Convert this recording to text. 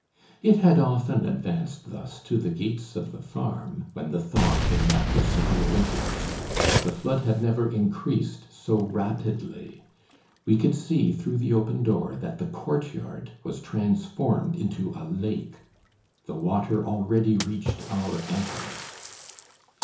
It had often advanced thus to the gates of the farm, when the thaw came after severe winters. But the flood had never increased so rapidly. We could see through the open door that the courtyard was transformed into a lake. The water already reached our ankles.